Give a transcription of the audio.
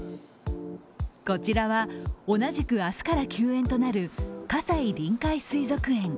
こちらは、同じく明日から休園となる葛西臨海水族園。